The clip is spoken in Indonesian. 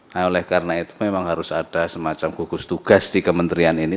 nah oleh karena itu memang harus ada semacam gugus tugas di kementerian ini